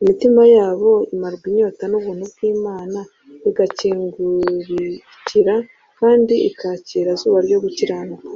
Imitima yabo imarwa inyota n’ubuntu bw’Imana, igakingukira kandi ikakira Zuba ryo Gukiranuka